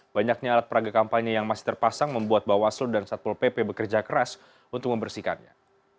banyaknya alat peraga kampanye yang masih terpasang membuat bawaslu dan satpol pp bekerja keras untuk membersihkannya